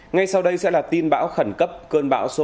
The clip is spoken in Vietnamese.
ngay sau đây sẽ là tin bão khẩn cấp cơn bão số năm